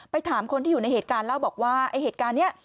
ถามคนที่อยู่ในเหตุการณ์เล่าบอกว่าไอ้เหตุการณ์นี้